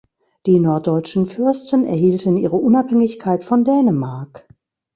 Die norddeutschen Fürsten erhielten ihre Unabhängigkeit von Dänemark.